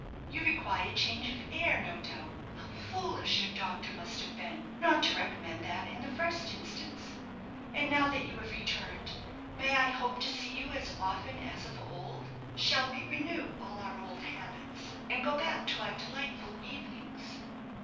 "You required change of air, no doubt. How foolish your doctor must have been not to recommend that in the first instance! And now that you have returned, may I hope to see you as often as of old? Shall we renew all our old habits, and go back to our delightful evenings?"